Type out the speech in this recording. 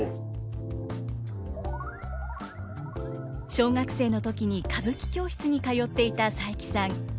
小学生の時に歌舞伎教室に通っていた佐伯さん。